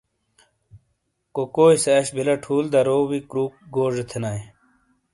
کو کو ئیے سے اش بلہ ٹھُول درو وی کُروک گوزے تھینائیے۔